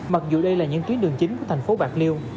mặc dù đây là những tuyến đường chính của thành phố bạc liêu